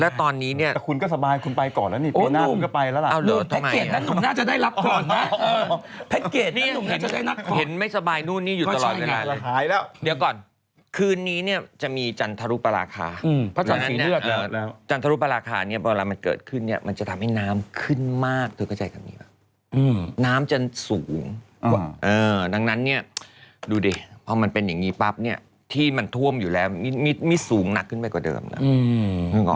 แล้วตอนนี้เนี่ยแต่คุณก็สบายคุณไปก่อนแล้วนุภินาทนุภินาทนุภินาทนุภินาทนุภินาทนุภินาทนุภินาทนุภินาทนุภินาทนุภินาทนุภินาทนุภินาทนุภินาทนุภินาทนุภินาทนุภินาทนุภินาทนุภินาทนุภินาทนุภินาทนุภินาทนุภินาทนุภินาทนุภิน